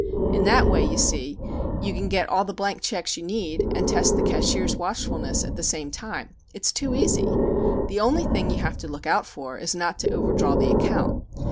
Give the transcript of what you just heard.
In that way, you see, you can get all the blank checks you need and test the cashier's watchfulness at the same time. It's too easy. The only thing you have to look out for is not to overdraw the account.